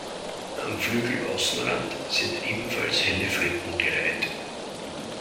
Am Flügelaußenrand sind ebenfalls helle Flecken gereiht.